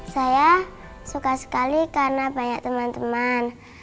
saya suka sekali karena banyak teman teman